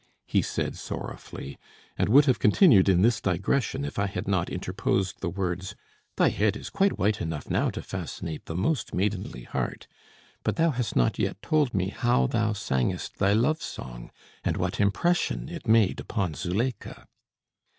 he said sorrowfully, and would have continued in this digression if I had not interposed the words: "Thy head is quite white enough now to fascinate the most maidenly heart; but thou hast not yet told me how thou sangest thy love song, and what impression it made upon Zuléikha."